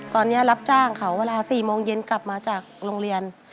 ตอนนี้รับจ้างเขาเวลา๔โมงเย็นกลับมาจากโรงเรียน